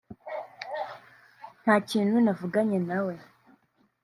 “Nta kintu navuganye na we